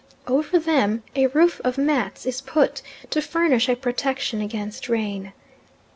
Over them a roof of mats is put, to furnish a protection against rain.